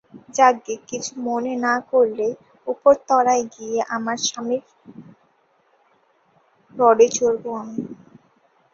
যাকগে, কিছু মনে না করলে, উপরতলায় গিয়ে আমার স্বামীর রডে চড়বো আমি।